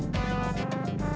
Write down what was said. gue balik dulu ya